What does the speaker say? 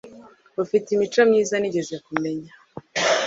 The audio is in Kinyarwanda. ufite imico myiza nigeze kumenya,